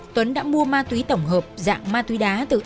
tuấn đã mua ma túy tổng hợp dạng ma túy đá từ a bốn